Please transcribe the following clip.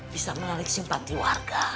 bisa menarik simpati warga